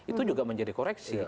itu juga menjadi koreksi